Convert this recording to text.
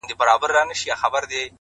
که قتل غواړي- نه یې غواړمه په مخه یې ښه-